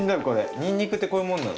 ニンニクってこういうもんなの？